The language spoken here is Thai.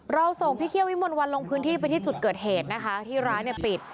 เราส่งพี่เคี่ยววิมลวันลงพื้นที่ไปที่จุดเกิดเหตุนะคะที่ร้านเนี่ยปิด